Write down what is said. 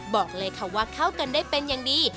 บอกเลยค่ะว่าเข้ากันได้เป็นอย่างดี